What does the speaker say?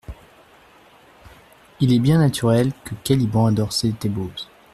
Il est bien naturel que Caliban adore Sétébos.